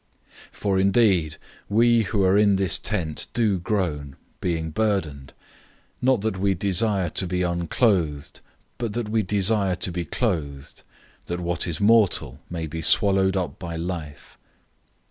005:004 For indeed we who are in this tent do groan, being burdened; not that we desire to be unclothed, but that we desire to be clothed, that what is mortal may be swallowed up by life.